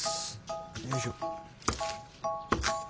よいしょ。